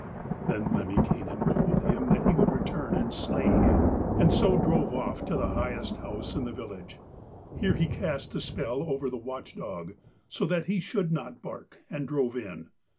Then Lemminkainen told him that he would return and slay him, and so drove off to the highest house in the village. Here he cast a spell over the watch dog, so that he should not bark, and drove in.